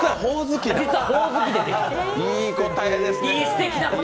いい答えですね。